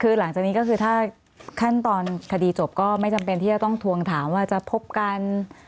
คือหลังจากนี้ก็คือถ้าขั้นตอนคดีจบก็ไม่จำเป็นที่จะต้องทวงถามว่าจะพบกัน